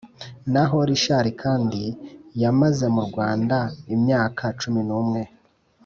Naho Rishali Kandt yamaze mu Rwanda imyaka cumi n’umwe